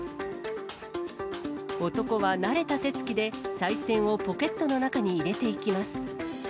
男は慣れた手つきで、さい銭をポケットの中に入れていきます。